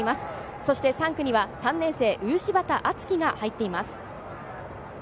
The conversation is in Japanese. そして３区には３年生・漆畑徳輝が入っています。